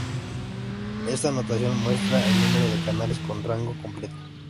Esta notación muestra el número de canales con rango completo.